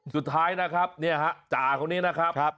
สุดท้ายนะครับเนี่ยฮะจ่าคนนี้นะครับ